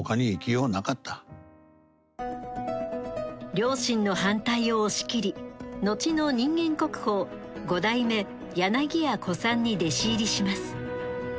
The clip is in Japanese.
両親の反対を押し切り後の人間国宝五代目柳家小さんに弟子入りします。